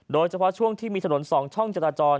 โดยเฉพาะช่วงที่มีถนนสองช่องจัดตะจร